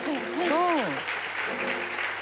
うん。